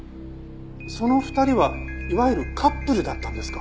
その２人はいわゆるカップルだったんですか？